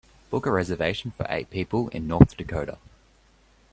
Book a reservation for eight people in North Dakota